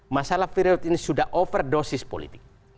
masalah period ini sudah overdosis politik